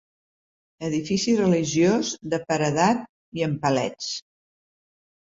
Edifici religiós de paredat i amb palets.